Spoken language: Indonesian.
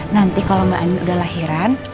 nanti kalau mbak ani udah lahiran